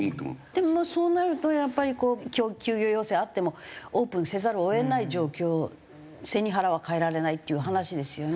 でもまあそうなるとやっぱりこう休業要請あってもオープンせざるを得ない状況背に腹は代えられないっていう話ですよね？